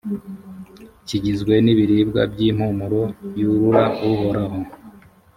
kigizwe n’ibiribwa by’impumuro yurura uhoraho.